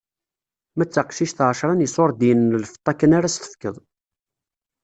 Ma d taqcict ɛecṛa n iṣurdiyen n lfeṭṭa kan ara s-tefkeḍ.